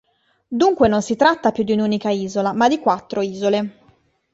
Dunque non si tratta più di un'unica isola, ma di quattro isole.